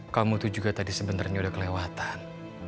kamu tuh juga tadi sebenarnya udah kelewatan